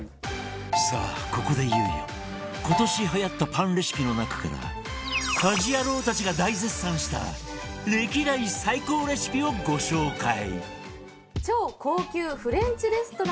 さあここでいよいよ今年はやったパンレシピの中から家事ヤロウたちが大絶賛した歴代最高レシピをご紹介